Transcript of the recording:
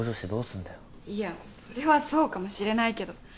いやそれはそうかもしれないけど。